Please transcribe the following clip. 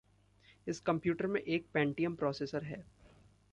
इस कंप्यूटर में एक पेंटियम प्रोसेसर है।